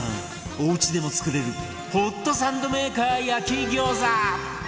おうちでも作れるホットサンドメーカー焼き餃子